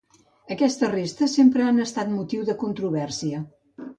Aquestes restes sempre han estat motiu de controvèrsia.